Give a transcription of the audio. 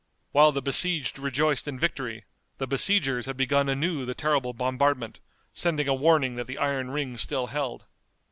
While the besieged rejoiced in victory the besiegers had begun anew the terrible bombardment, sending a warning that the iron ring still held.